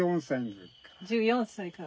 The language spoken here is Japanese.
１４歳から？